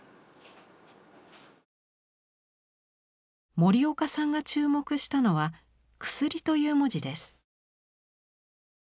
森岡さんが注目したのは「薬」という文字です。